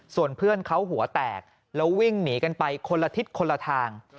ส่วนเพื่อนเขาหัวแตกแล้ววิ่งหนีกันไปคนละทิศคนละทาง